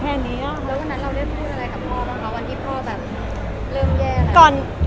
แล้ววันนั้นเราได้พูดอะไรกับพ่อบ้างคะวันที่พ่อแบบเริ่มแย่